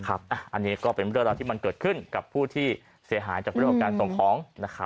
อันนี้ก็เป็นเรื่องราวที่มันเกิดขึ้นกับผู้ที่เสียหายจากเรื่องของการส่งของ